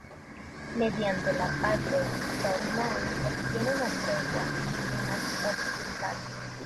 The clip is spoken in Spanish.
Mediante la Paz de Tournai, obtiene una tregua en las hostilidades.